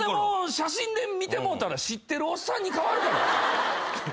写真で見てもうたら知ってるおっさんに変わるから。